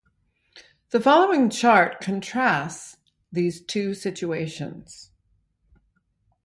The following chart contrasts these two situations.